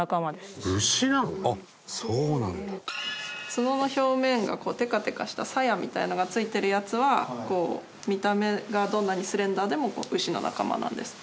角の表面がこうテカテカした鞘みたいなのが付いてるやつは見た目がどんなにスレンダーでも牛の仲間なんです。